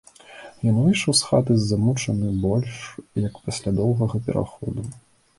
Ён выйшаў з хаты змучаны больш, як пасля доўгага пераходу.